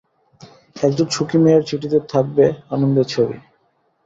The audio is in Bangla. একজন সুখী মেয়ের চিঠিতে থাকবে আনন্দের ছবি।